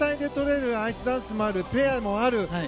やっぱり団体で取れるアイスダンスもあるペアもある。